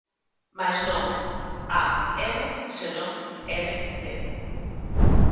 Mais non A. M., senón M. D.